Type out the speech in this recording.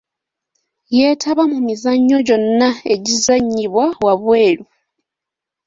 Yeetaba mu mizannyo gyonna egizannyibwa wabweru.